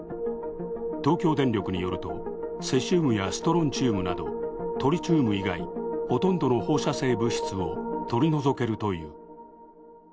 東京電力によると、セシウムやストロンチウムなど、トリチウム以外、ほとんどの放射性物質を取り除けるという。